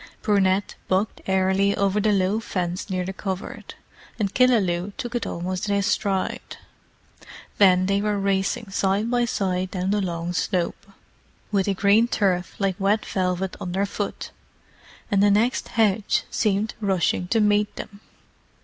Brunette bucked airily over the low fence near the covert, and Killaloe took it almost in his stride. Then they were racing side by side down the long slope, with the green turf like wet velvet underfoot; and the next hedge seemed rushing to meet them.